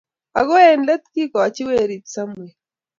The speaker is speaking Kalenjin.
Ago eng Iet – kigochi werit Samuel